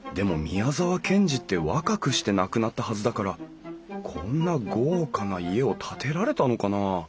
宮沢賢治って若くして亡くなったはずだからこんな豪華な家を建てられたのかな？